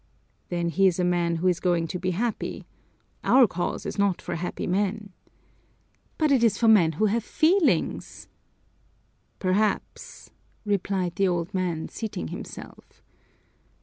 "Then he is a man who is going to be happy our cause is not for happy men." "But it is for men who have feelings!" "Perhaps!" replied the old man, seating himself.